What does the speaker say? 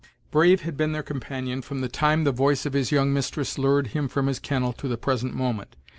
Brave had been their companion, from the time the voice of his young mistress lured him from his kennel, to the present moment.